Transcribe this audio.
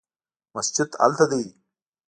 مسجد هلته دی